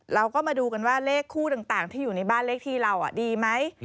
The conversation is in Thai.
เราก็มาดูกันว่าเลขคู่ต่างที่อยู่ในบ้านเลขที่เราดีไหม